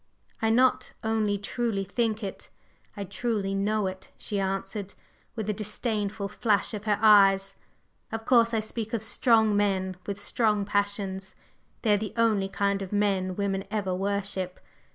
"I not only truly think it, I truly know it!" she answered, with a disdainful flash of her eyes. "Of course, I speak of strong men with strong passions; they are the only kind of men women ever worship.